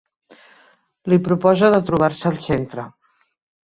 Li proposa de trobar-se al centre.